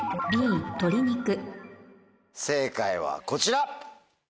正解はこちら！